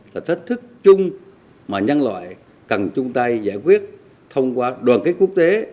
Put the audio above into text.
là thách thức chung mà nhân loại cần chung tay giải quyết thông qua đoàn kết quốc tế